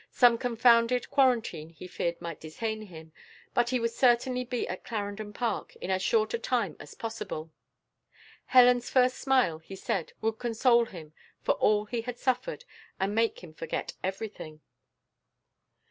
Some confounded quarantine he feared might detain him, but he would certainly be at Clarendon Park in as short a time as possible. Helen's first smile, he said, would console him for all he had suffered, and make him forget everything.